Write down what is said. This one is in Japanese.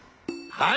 はい。